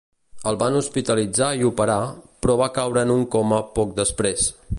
El van hospitalitzar i operar, però va caure en un coma poc després.